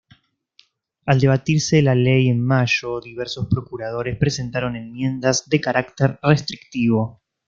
Al debatirse la ley en mayo, diversos procuradores presentaron enmiendas de carácter restrictivo.